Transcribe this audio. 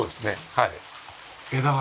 はい。